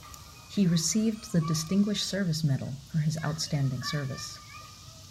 He received the Distinguished Service Medal for his outstanding service.